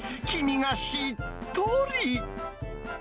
黄身がしっとり。